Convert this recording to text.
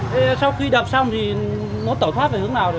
thế sau khi đập xong thì nó tẩu thoát về hướng nào